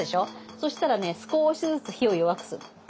そしたらね少しずつ火を弱くする。